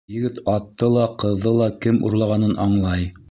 Егет атты ла, ҡыҙҙы ла кем урлағанын аңлай.